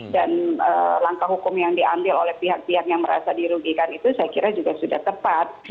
dan langkah hukum yang diambil oleh pihak pihak yang merasa dirugikan itu saya kira juga sudah tepat